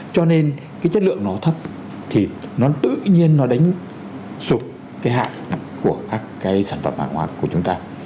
cho nên cái chất lượng nó thấp thì nó tự nhiên nó đánh sụp cái hạn của các cái sản phẩm hàng hóa của chúng ta